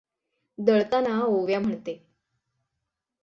दळताना ओव्या म्हणते.